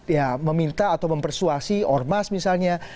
ya meminta atau mempersuasi ormas misalnya